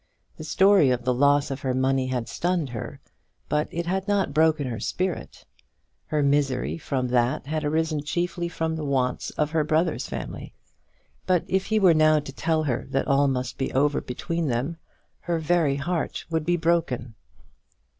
The story of the loss of her money had stunned her, but it had not broken her spirit. Her misery from that had arisen chiefly from the wants of her brother's family. But if he were now to tell her that all must be over between them, her very heart would be broken.